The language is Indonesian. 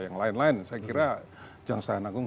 yang lain lain saya kira jaksa agung